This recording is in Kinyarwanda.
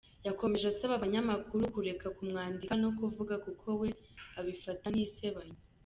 Yakomeje asaba abanyamakuru kureka ku mwandika no kuvuga kuko we abifata nk’isebanya.